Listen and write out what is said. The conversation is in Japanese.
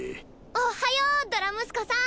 おっはよドラムスコさん。